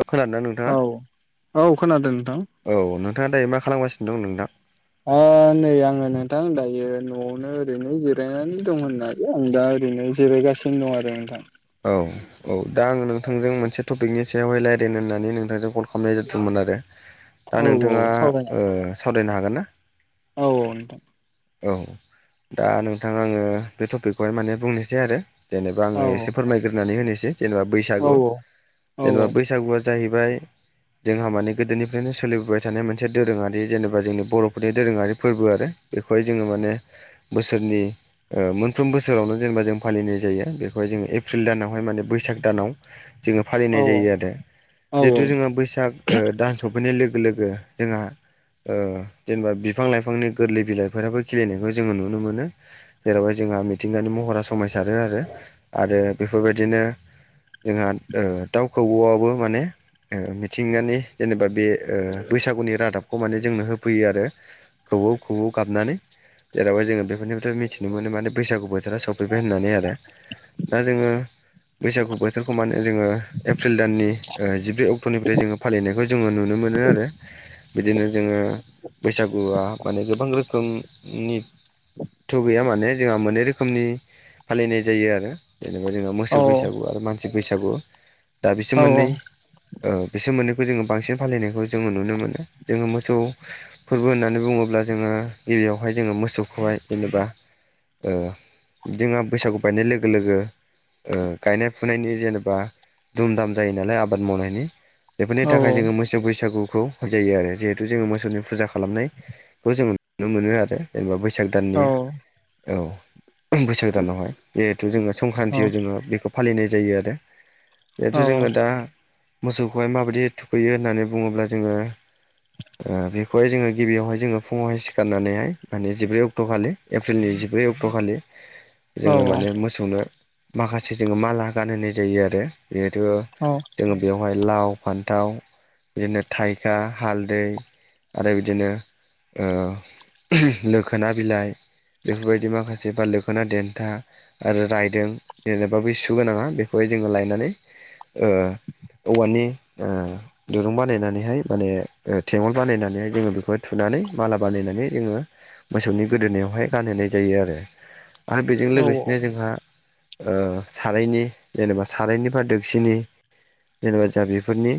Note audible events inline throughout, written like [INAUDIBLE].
औ खोनादों ना औ नोंथाङा। औ खोनादों। नोंथां औ नोंथाङा दायो मा खालामगासिनो दं नोंथां। ओ नै आङो नोंथां दायो न'आवनो ओरैनो जिरायनानै दं होननानै आं दा ओरैनो जिरायगासिनो दं आरो नोंथां। औ औ दा आङो नोंथांजों मोनसे टपिकनि सायावहाय रायज्लायनो होननानै नोंथांजों कल खालामनाय जादोंमोन आरो दा औ औ नोंथाङा सावरायनाय ओ सावरायनो हागोन ना। औ औ औ दा नोंथां आङो बे टपिकखौहाय माने बुंनोसै आरो जेनेबा आङो औ एसे फोरमायग्रोनानै होनोसै जेनेबा औ बैसागु औ जेनेबा बैसागुआ जाहैबाय जोंहा माने गोदोनिफ्रायनो सोलिबोबाय थानाय मोनसे दोरोङारि जेनेबा जोंनि बर'फोरनि दोरोङारि फोरबो आरो बेखौहाय जोङो माने बोसोरनि ओ मोनफ्रोम ओ बोसोरावनो जेनेबा जों फालिनाय जायो बेखौहाय जोङो एप्रिल दानावहाय माने बैसाग दानाव जोङो औ फालिनाय जायो आरो जिहेतु जोङो बैसाग ओ दान सफैनाय लोगो लोग गो जोंङा ओ जेनेबा बिफां लाइफांनि गोरलै। बिलाइफोराबो खिलिनायखौ जोङो नुनो मोनो जेरावहाय जोंहा मिथिंगानि महरा समायसारो आरो। आरो बेफोरबायदिनो जोंहा ओ दाउ खौवौआवबो माने। ओ मिथिंगानि जेनेबा बे ओ बैसागुनि रादाबखौ माने जोंनो होफैयो आरो। खोवौ खोवौ गाबनानै। जेरावाहाय जोङो बेफोरनिफ्राय मिथिनो मोनो माने बैसागु बोथोरा सफैबाय होननानै आरो। दा जोङो। बैसागु बोथोरखौ माने जोङो एप्रिल दाननि ओ जिब्रै अक्ट'निफ्राय जोङो फालिनायखौ जोङो नुनो मोनो आरो बिदिनो जोङो बैसागुआ। माने गोबां रोखोमनि थु गैया माने जोंहा मोनै रोख रोखोमनि फालिनाय जायो आरो जेनेबा जोंहा मोसौ औ बैसागु आरो मानसि बैसागु। दा बिसोर औ मोननै ओ बिसोर मोननै खो जोंङो बांसिन फालिनायखौ जों नुनो मोनो जोङो मोसौ फोरबो होननानै बुङो ब्ला जोङो गिबियावहाय जोङो मोसौखौहाय जेनेबा। ओ जोंहा बैसागु बायनाय लोगो लोगो। ओ गायनाय फुनायनि जेनेबा दुम दाम जायो नालाय आबाद मावनायनि बेफोरनि औ थाखाय जोङो मोसौ बैसागुखौ होजायो आरो जिहेथु जोङो मोसौनि फुजा खालामनाय खौ जों नुनो मोनो आरो जेनेबा बैसाग दाननि औ बैसागो दानावहाय जिहेथु जोङो संक्रान्तियाव जोङो बेखौ फालिनाय जायो आरो बेथ' जोङो दा मोसौखौहाय माबायदि थुखैयो होननानै बुङोब्ला जोङो ओ बेखौहाय जोङो गिबियावहाय जोङो फुङावहाय सिखारनानैहाय माने जिब्रै अक्ट'खालि एप्रिलनि जिब्रै अक्ट'खालि जोङो माने मोसौनो माखासे जोङो माला गानहोनाय जायो आरो जिहेथु जोङो बेवहाय लाव फान्थाव बिदिनो थाइखा हालदै आरो बिदिनो ओ लोखोना बिलाइ बेफोरबायदि माखासे बा लोखोना देन्था आरो रायदों जेनेबा बै सुगोनाङा बेखौ जोङो लायनानै ओ औवानि ओ दिरुं बानायनानैहाय माने थेंगल बानायनानैहाय जोङो बेखौ थुनानै माला बानायनानै जोङो मोसौनि गोदोनायावहाय गानहोनाय जायो आरो आरो बेजों लोगोसेनो जोंहा ओ सारायनि जेनेबा सारायनि बा दोगसिनि जेनेबा जा बेफोरनि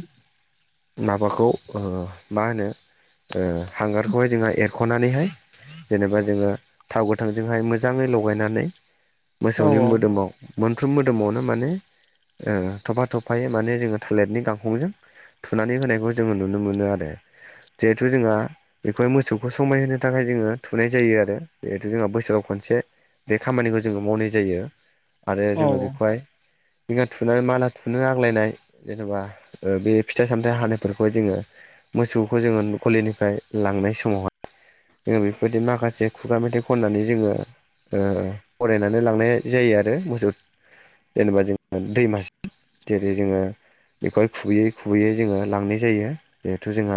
माबाखौ ओ मा होनो ओ हांगार खौहाय जोंहा एरख'नानैहाय जेनेबा जोङो थाव गोथांजोंहाय मोजाङै लगायनानै मोसौनि मोदोमाव मोनफ्रोम मोदोमावनो माने ओ थफा थफायै माने जोङो थालिरनि गांखं थुनानै होनायखौ जोङो नुनो मोनो आरो जिहेथु जोंहा बेखौहाय मोसौखौ समायहोनो थाखाय जोङो थुनाय जायो आरो जिहेथु जोंहा बोसोराव खनसे बे खामानिखौ जोङो मावनाय जायो आरो जोङो बेखौहाय बिगा थुनानै माला थुनो आग्लायनाय जेनेबा ओ बे फिथाइ सामथाइ हानायफोरखौ जोङो मोसौखौ जोङो गलिनिफ्राय लांनाय समावहाय जोङो बेफोरबायदि माखासे खुगा मेथाइ खननानै जोङो ओ फरायनानै लांनाय जायो आरो मोसौ जेनेबा जोङो दैमासि जेरै जोङो बेखौहाय खुबैयै खुबैयै जोङो लांनाय जायो जिहेथु जोंहा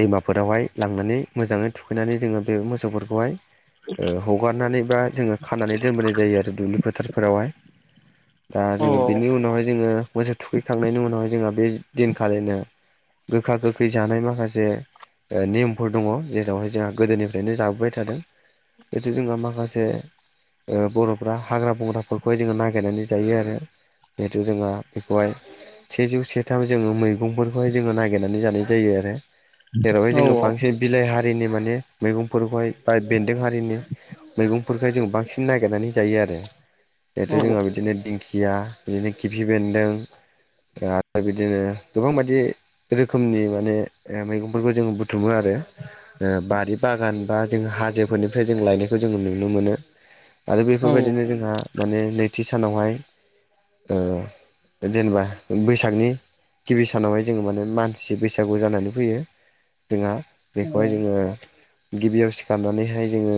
दैमाफोरावहाय लांनानै मोजाङै थुखैनानै जोङो बे मोसौफोरखौहाय ओ हगारनानैबा जोङो खानानै दोनबोनाय जायो आरो दुब्लि फोथारफोरावहाय दा जोङो बेनि उनावहाय जोङो मोसौ थुखैखांनायनि उनावहाय जोंहा बे दिनखालिनो गोखा गोखै जानाय माखासे जे नियमफोर दङ जेरावहाय जोंहा गोदोनिफ्रायनो जाबोबाय थादों [UNINTELLIGIBLE] ओ बर'फ्रा हाग्रा बंग्राफोरखौहाय जोङो नागिरनानै जायो आरो जिहेथु जोंहा बेखौहाय सेजौ सेथाम जोङो मैगंफोरखौहाय जोङो नागिरनानै जानाय जायो आरो जेरावहाय जोङो बांसिन बिलाइ हा हारिनि माने मैगंफोरखौहाय बा बेन्दों हारिनि मैगं खाय जों बांसिन नागिरनानै जायो आरो जिहेथु जोंहा बिदिनो दिंखि या बिदिनो गिफि बेन्दों बिदिनो गोबां बायदि रोखोमनि माने मैगंफोरखौ जोङो बुथुमो आरो ओ बारि बागान बा जों हाजोफोरनिफ्राय जों लायनायखौ जोङो नुनो मोनो आरो बेफोरबायदिनो जोंहा माने नैथि सानावहाय जेनेबा बैसागनि गिबि सानावहाय जोङो माने मानसि बैसागु जानानै फैयो जोंहा बेखौहाय जोङो फालियो। गिबियाव सिखारनानैहाय जोङो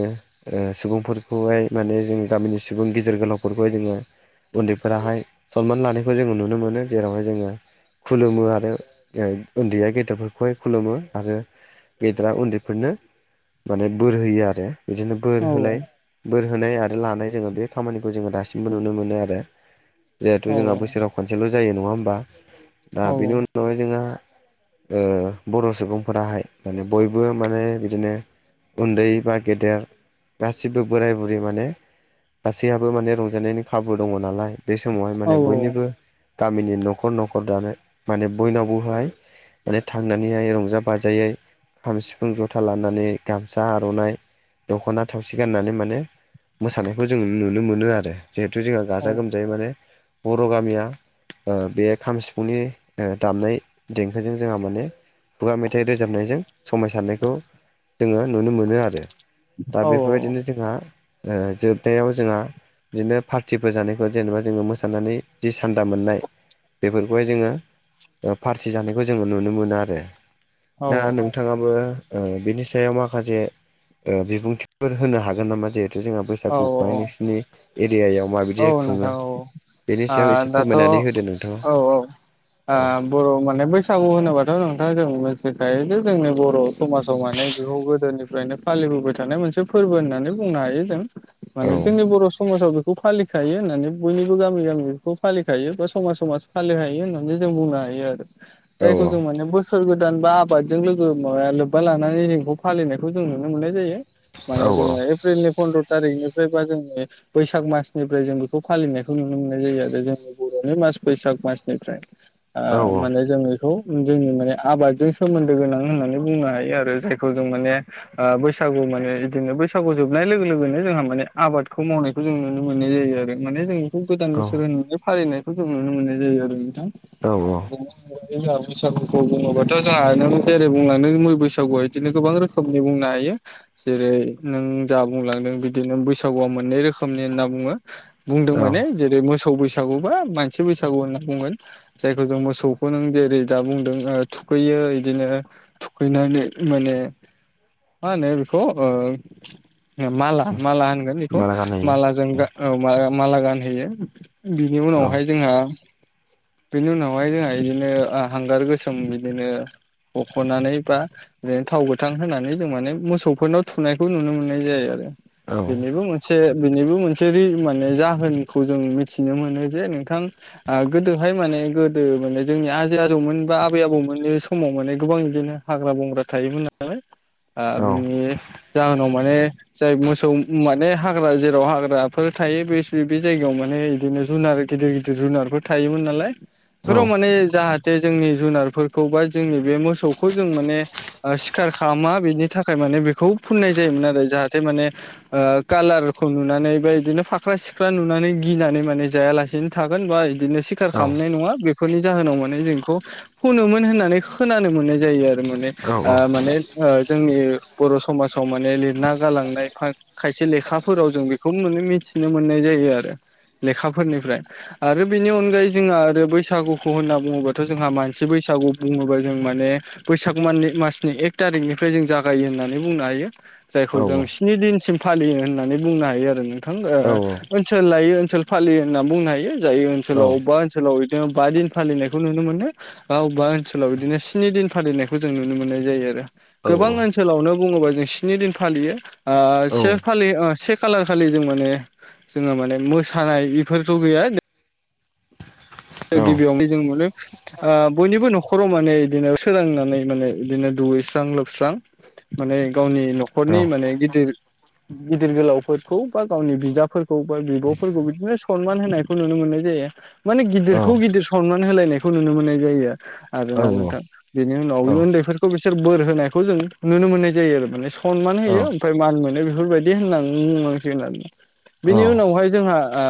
सुबुंफोरखौहाय माने जों गामिनि सुबुं गेजेर गोलावफोर मान होनो रोंनांगौ। फोरखौहाय जोङो मन्दिरफोराहाय सनमान लानायखौ जोङो नुनो मोनो जेरावहाय जोङो [UNINTELLIGIBLE] खुलुमो आरो उन्दैया गेदेरफोरखौ खुलुमो। खहाय खुलुमो आरो गेद्रा उन्दैफोरनो माने बोर होयो आरो नंगौ सैथो बिदिनो बोर होलाय जों नुनो मोनो। बोर होनाय आरो लानाय जोङो बे खामानिखौ जोङो दासिमबो नुनो मोनो आरो औ‌ नंगौ सैथो। जिहेथु जोंहा बोसोराव खनसेल' जायो नङा होमबा दा बेनि उनावहाय जोंहा बयबो गोरोबलायना थानांगौ। बर' सुबुंफोराहाय माने बयबो माने बिदिनो अनलायनानै थायो। उन्दै बा गेदेर गासिबो बोराय बुरै माने ज'ज रंजालाइयो। गासैयाबो माने रंजानायनि खाबु दङ नालाय औ नंगौ सैथो बे समावहाय माने बयनिबो गामिनि न'खर न'खर दानो माने बयनावबोहाय रंजाहैनाय ‌जायो। माने थांनानैहाय रंजा बाजायै खाम सिफुं जथा लानानै गामसा आर'नाइ गान्नानै रंजानाय जायो। दख'ना थावसि गाननानै माने मोसानायखौ जों नुनो मोनो आरो औ नंगौ सैथो। जिहेथु जोंहा गाजा गोमजायै माने फालियो। बर' गामिया बे खाम सिफुंनि दामनाय देंखोजों जोबोर रंजायो मोसादों। जोंहा माने खुगा मेथाइ रोजाबनायजों समायसारनायखौ जोङो नुनो मोनो आरो नंगौ सैथो थारैनो। दा बेफोरबायदिनो औ जोंहा जोबनायाव जोंहा नखरनि सुबुंफोरखौ खुलुमनानै फैनाय जायो। बिदिनो पार्टिफोर जानायखौ जेनेबा जोङो मोसानानै जि सान्दा मोननाय बेखौ ज, बयबो ओंखाम बेदर जानाय जायो। बेफोरखौहाय जोङो फारसि जानाय जायो औ नंगौ। खौ जोङो नुनो मोनो आरो औ दा औ नोंथाङाबो‌ नुनो ‌मोनो औ नंगौ। बिनि सायाव माखासे बिबुंथिफोर होनो हागोन नामा जेरे जों गथ'‌गथाइ, बोराय बुरै, औ ‌सेंग्रा सिख्ला, ज बयबो गोरोबलायना थायो। थु जोंहा बैसागुखौहाय नोंसिोरनि औ। औ नोंथां बेनि सायाव औ एसे दाथ' औ फोरमायनानै होदो नोंथाङा औ नंगौ। आ औ बर' माने बर‌ हारि। बैसागु होनोबाथ' नोंथाङा जों मिथिखायो जे जोंनि बर' समाजाव माने गोहौ गोदोनिफ्रायनो फालियो औ नंगौ नोंथां। बोबाय थानाय मोनसे फोरबो होननानै बुंनो हायो जों औ माने जोंनि बर' समाजाव बे बैसागु फोरबोखौ फालियो। बेखौ फालिखायो होननानै बयनिबो गामि गामिखौ फालिखायो बा समाज समाज फालिखायो होननानै जों बुंनो हायो आरो नंगौ औ थारैनो सैथो। जायखौ मान बोस - -सोर गोदान बा आबादजों लोगो माबाया लोब्बा लानानै [UNINTELLIGIBLE] फालिनायखौ जों नुनो मोननाय जायो। औ माने जोङो एप्रिलनि फन्द्र' थारिखनिफ्रायबा जोंनि बैसाग मासनि‌ जिबा साननिफ्राय फालिनाय जायो। मासनिफ्राय जों बेखौ फालिनायखौ नुनो मोननाय जायो आरो जोंनि बर'नि मास बैसाग मासनिफ्राय औ नंगौ सैथो। आ माने जोङो बयबो रंजालाइयो बैसागुआव। जों म आबादजों सोमोनदो गोनां होननानै बुंनो हायो आरो जायखौ जों माने बैसाग दाननिफ्राय गायनाय फुनाय खामानि फोरखौ मावो। बैसागु माने बिदिनो बैसागु जोबनाय लोगो लोगोनो जोंहा माने आबादखौ मावनायखौ जों नुनो मोनो। नुनो मोननाय जायो आरो माने जों बेखौ गोदान औ बोसोर होननानै फालिनायखौ जों नुनो मोननाय जायो आरो नोंथां औ नंगौ सैथो नोंथां। आ [UNINTELLIGIBLE] जोंहा बैसागुखौ बुङोबाथ' जोंहा नों जेरै बुंलांदों बैसागुआ बिदिनो गोबां रोखोमनि बुंनो हायो। जेरै नों जा बुंलांदों बिदिनो बैसागुआ मोननै रोखोमनि होनना बुङो बुंदों औ माने जेरै-मोसौ बैसागु बा मानसि बैसागु होनना बुंगोन जायखौ जों मोसौखौ नों जेरै दा बुंदों ओ थु खैयो इदिनो थुखैनानै माने मा होनो बेखौ ओ माला माला होनगोन बेखौ माला गानहोयो मालाजों औ माला गानहैयो। बिनि औ उनावहाय जोंहा बिनि उनावहाय जोंहा इदिनो ओ हांगार गोसोम बिदिनो हख'नानै बा ओ थाव गोथां होनानै जों माने मोसौफोरनाव थुनायखौ नुनो मोननाय जायो आरो। औ बिनिबो मोनसे बेनिबो मोनसे रि माने जाहोनखौ जों मिथिनो मोनो जे नोंथां ओ गोदोहाय माने गोदो माने जोंनि आजै-आजौमोन बा आबै- आबौमोननि समाव माने गोबां बिदिनो हाग्रा-बंग्रा थायोमोन नालाय ओ औ बिनि जाहोनाव माने जाय मोसौ माने हा ग्रा जेराव हाग्राफोर थायो बे जायगायाव माने बिदिनो जुनार गिदिर गिदिर जुनारफोर थायोमोन नालाय इफोराव औ माने जाहा थे जोंनि जुनारफोरखौ बा जोंनि बे मोसौखौ जों माने सिखार खालामा बेनि थाखाय मा ने बेखौ फुननाय जायोमोन आरो जाहाथे माने ओ कालार खौ नुनानै बा इदिनो फाख्रा-सिख्रा नुनानै गिनानै माने जायालासेनो थागोन बा इदिनो सिखार खालामनाय नङा। बे फोरनि जाहोनाव माने जों इखौ फोनोमोन होननानै खोनानो मोननाय जायो आरो माने ओ औ माने ओ जोंनि बर' समाजाव माने लिरना गालांनाय खायसे लेखा फोराव जों बेखौनो मिथिनो मोननाय जायो आरो लेखाफोरनिफ्राय। आरो बिनि अनगायै जोंहा आरो बैसागुखौ होनना बुङोबाथ' जोंहा मानसि बै सागु बुङोबा जों माने बैसाग मान्थनि मासनि एक तारिखनिफ्राय जों जागायो होननानै बुंनो हायो। जायखौ औ औ जों स्नि दिनसिम फालियो होननानै बुंनो हायो आरो नोंथां। औ बिदिनो औ ओ ओनसोल लायो ओनसोल फालियो होननानै बुंनो हायो जाय ओनसाव अबेबा ओ सोलाव बिदिनो बा दिन फालिनायखौ नुनो मोनो, बा अबेबा ओनसोलाव बिदिनो स्नि दिन फालिनायखौ जों नुनो मोननाय जायो आरो। गोबां ओनसोलावनो बुङोबा जों स्नि दिन फालियो ओ से खालि ओ से खालार खालि जों माने जोंहा माने मोसानाय बेफोरथ' गैया गिबियावनो जों मोनो ओ बयनिबो न'खराव माने इदिनो सोरांनानै माने बिदिनो दुगैस्रां लोबस्रां माने गावनि न'खरनि माने गिदिर गिदिर गोलावफोरखौ बा गावनि बिदाफोरखौ बा बिब'फोरखौ बिदिनो सनमान होनायखौ नुनो मोननाय जायो। माने गिदि रखौ गिदिर सनमान होलायनायखौ नुनो मोननाय जायो आरो आरोना नोंथां। बेनि उनाव उन्दैफोरखौ बिसोर बोर होनायखौ जों नुनो मोननाय जायो आरो माने सनमान होयो ओमफ्राय मान मोनो, बेफोरबायदि होननानै बुंनांसिगोन आरो। बिनि उनावहाय जोंहा ओ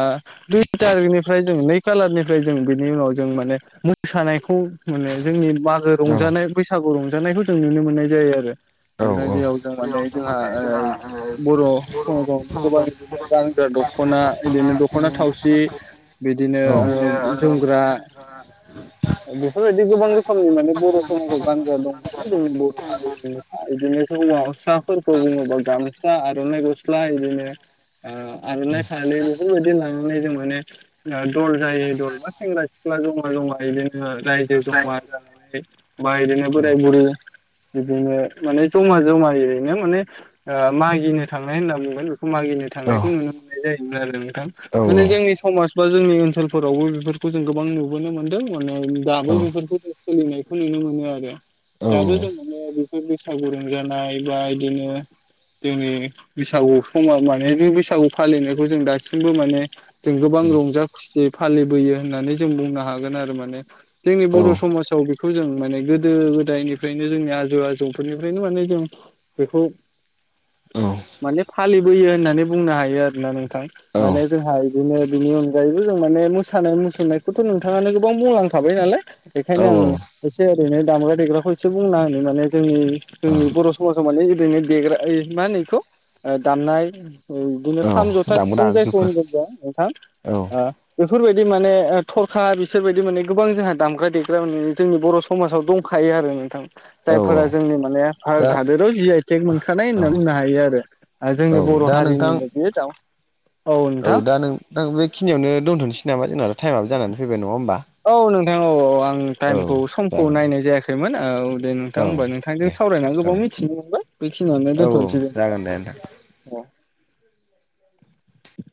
दुइ तारिखनिफ्राय जों नै खालारनि फ्राय जों बेनि उनाव जों माने मोसानायखौ मोनो, जोंनि मागो रंजानाय बैसागु रं जानायखौ जों नुनो मोननाय जायो आरो। ओमफ्राय [UNINTELLIGIBLE] जों माने जोंहा ओ बर' समाजाव गोबां बिदिनो गानग्रा दख'ना बिदिनो दख'ना थावसि बिदिनो ओ जोमग्रा [UNINTELLIGIBLE] बेफोरबायदि गोबां रोखोमनि माने बर' समाजाव गानग्रा दं नालाय जोंनि बर' हारिनिनोखा बिदिनो जों जोङो साफोरखौ बुङोबा गामसा, आरनाइ गस्ला, इदिनो ओ आर'नाइ फालि बेफोरबायदि लानानै जों माने दल जायै दल सेंग्रा सिख्ला जमा जमा बिदिनो रायजो जमा जानानै बा बिदिनो बोराय बुरै बिदिनो माने जमा जमा रैनो माने मागिनो थांनाय होनना बुंगोन बेखौ मागि थांनायखौ नुनो मोननाय जोन नोंथां औ माने जोंनि सम बा जोंनि ओनसोलफोरावबो बे खौ जों गोबां नुबोनो मोनदों माने दाबो बेफोरखौ जों सोलिनायखौ नुनो मोनो आरो। दाबो जों माने बेफोर बैसागु रं जानाय बा इदिनो जोंनि बैसागु समाव माने बे बैसागु फालिनायखौ जों दासिमबो माने जों गोबां आं रंजा खुसि फालिबोयो होननानै जों बुंनो हागोन आरो माने जोंनि बर' समाजाव बेखौ जों माने गोदो गोदायनिफ्रायनो जोंनि आजौ आजौफोरनिफ्रायनो माने जों बेखौ औ। माने फालिबोयो होननानै बुंनो हायो आरोोना नोंथां माने जोंहा बिदिनो बिनि अनगायैबो जों मान मोानाय मु नायखौथ' नोंथाङा गोबां बुंलांखाबाय नालाय बेनिखायनो आं एसे ओरैनो दामग्रा देग्राखौ एसे बुं मा होनो माने जोंनि जोंनि बर' समाजाव माने ओरैनो देग्रा मा होनोखौ दामनाय बिदिनो खाम जथा दामग्रा सिफुं जायखौ आगजुफोर होनदों ज औ नोंथां बेफोरबायदि माने थरखा बिसोरबायदि माने गोबां जोंहा दामग्रा देग्रा माने जोंनि बर' समाजाव दंखायो आरो नोंथां। औ जायफोरा जोंनि माने दा भारत हादराव जि आइ टेक मोनखानाय औ होनना बुंनो हायो आरो औ जोंनि बर' दा नोंथां हारिनिनो औ दा नों बेखिनियावनो दोनथ'नोसै नामा जोंनाथ' टाइमाब जानानै फैबाय नङा होमबा औ नोंथां औ औ आं औ टाइमखौ समखौ जागोन दे नायनाय जायाखैमोन। दे औ नोंथां होनबा नोंथांजों दे सावरायनानै औ गोबाव मिथिनो मोनबाय बेखिनियावनो औ औ दोनथ'नोसै दे नोंथां। जागोन औ।